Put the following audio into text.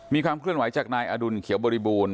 มีความเคลื่อนไหวจากนายอดุลเขียวบริบูรณ